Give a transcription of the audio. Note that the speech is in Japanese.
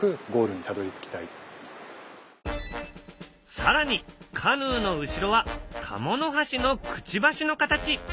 更にカヌーの後ろはカモノハシのくちばしの形！